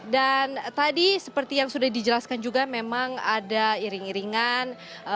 dan tadi seperti yang sudah dijelaskan juga memang ada iring iringan